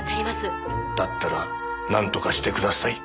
だったらなんとかしてください。